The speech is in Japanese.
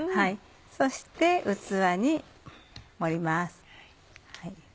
そして器に盛ります。